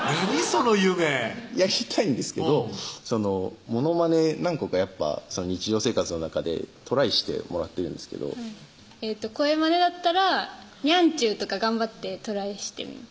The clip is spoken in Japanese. その夢やりたいんですけどモノマネ何個かやっぱ日常生活の中でトライしてもらってるんですけど声マネだったらニャンちゅうとか頑張ってトライしてます